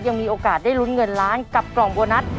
ยังมีโอกาสได้ลุ้นเงินล้านกับกล่องโบนัส